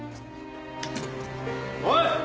おい！